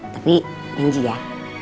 tapi yang juga